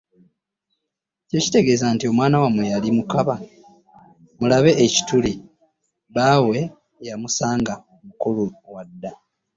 Ekyo kitegeeza nti, “Omwana wammwe yali mukaba, mulabe ekituli, bbaawe yamusanga mukulu wa dda.”